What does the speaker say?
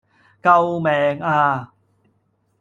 救命呀